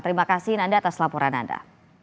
terima kasih nanda atas laporan anda